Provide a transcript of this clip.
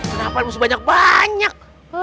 kenapa harus banyak banyak